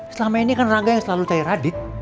selama ini kan rangga yang selalu cair radik